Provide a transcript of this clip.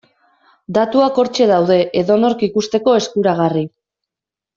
Datuak hortxe daude edonork ikusteko eskuragarri.